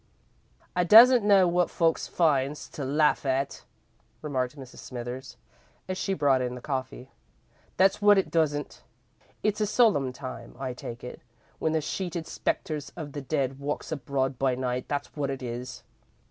"I doesn't know wot folks finds to laugh at," remarked Mrs. Smithers, as she brought in the coffee; "that's wot I doesn't. It's a solemn time, I take it, when the sheeted spectres of the dead walks abroad by night, that's wot it is.